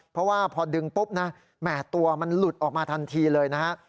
เพราะว่าพอดึงปุ๊บนะแหม่ตัวมันหลุดออกมาทันทีเลยนะฮะ